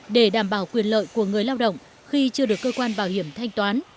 để đảm bảo quyền lợi của người lao động khi chưa được cơ quan bảo hiểm thanh toán